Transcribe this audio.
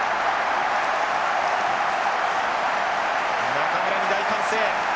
中村に大歓声。